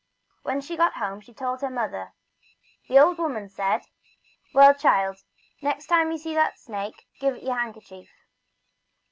When she got home and told her mother, the old woman said : "Well, child, next time you see the snake give it your handkerchief."